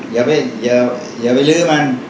อย่าไปลื้อมัน